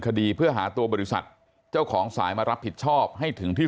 คดีเพื่อหาตัวบริษัทเจ้าของสายมารับผิดชอบให้ถึงที่